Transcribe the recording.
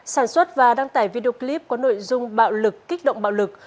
sản xuất và đăng tải video clip có nội dung bạo lực kích động bạo lực